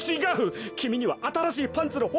きみにはあたらしいパンツのほうがいいんだ。